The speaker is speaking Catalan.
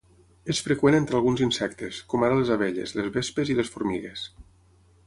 És freqüent entre alguns insectes, com ara les abelles, les vespes i les formigues.